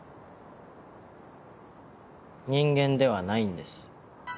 人間ではないんです。